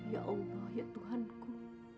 ya allah ya tuhanku